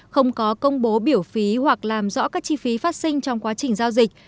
không có công bố biểu phí hoặc làm rõ các chi phí phát sinh trong quá trình giao dịch